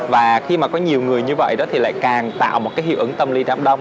và khi mà có nhiều người như vậy đó thì lại càng tạo một cái hiệu ứng tâm lý đám đông